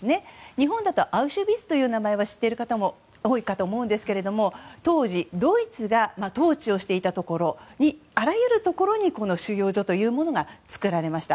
日本だとアウシュビッツという名前は知っている方も多いと思いますが当時、ドイツが統治をしていたあらゆるところにこの収容所というものが作られました。